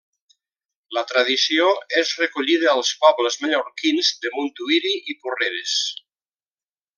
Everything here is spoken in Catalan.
La tradició és recollida als pobles mallorquins de Montuïri i Porreres.